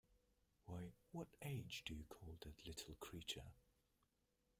Why, what age do you call that little creature?